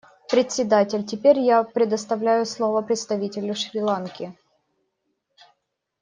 Председатель: Теперь я предоставляю слово представителю Шри-Ланки.